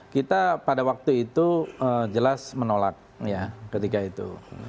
kita pada waktu itu jelas menolak ketika itu